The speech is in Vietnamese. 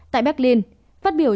tại berlin phát biểu